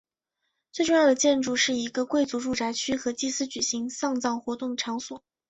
最重要的建筑是一个贵族住宅区和祭司举行丧葬活动的场所。